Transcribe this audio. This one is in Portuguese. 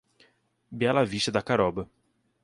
Bela Vista da Caroba